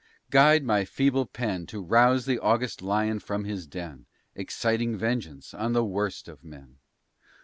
guide my feeble pen, To rouse the august lion from his den, Exciting vengeance on the worst of men.